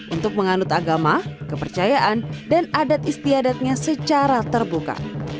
untuk menganut agama kepercayaan dan adat istiadatnya secara terbuka